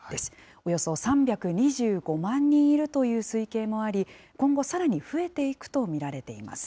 およそ３２５万人いるという推計もあり、今後、さらに増えていくと見られています。